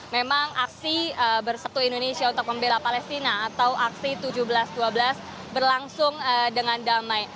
memang aksi bersetu indonesia untuk membela palestina atau aksi tujuh belas dua belas berlangsung dengan damai